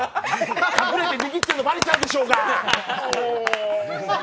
隠れて握ってるのバレちゃうでしょうが。